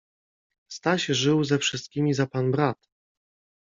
Staś żył ze wszystkimi za pan brat.